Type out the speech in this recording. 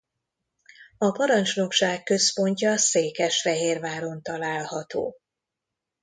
A parancsnokság központja Székesfehérváron található.